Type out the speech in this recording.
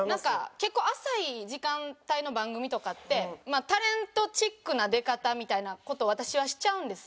結構浅い時間帯の番組とかってタレントチックな出方みたいな事を私はしちゃうんです。